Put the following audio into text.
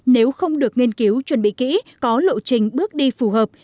nếu không được nghiên cứu chuẩn bị kỹ có lộ trình bước đi phù hợp